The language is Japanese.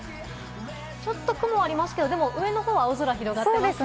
ちょっと雲がありますけど、上の方は青空が広がっていますね。